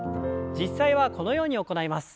実際はこのように行います。